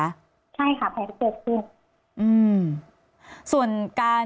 ใช่ค่ะแผลที่เกิดขึ้น